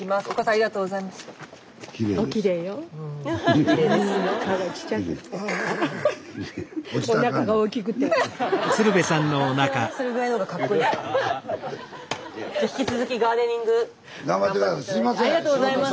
ありがとうございます。